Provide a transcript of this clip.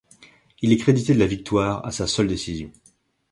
Il est crédité de la victoire à sa seule décision.